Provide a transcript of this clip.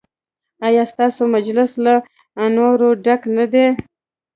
ایا ستاسو مجلس له انوارو ډک نه دی؟